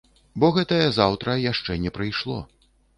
Бо гэтае заўтра яшчэ не прыйшло.